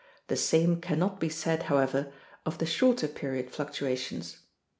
The same cannot be said, however, of the shorter period fluctuations.